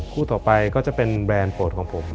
คู่ต่อไปก็จะเป็นแบรนด์โปรดของผม